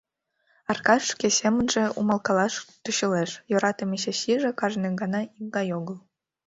Аркаш шке семынже умылкалаш тӧчылеш: йӧратыме Чачиже кажне гана икгай огыл.